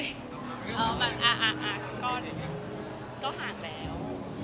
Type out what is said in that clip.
เอามาอ่าก็ห่างแล้ว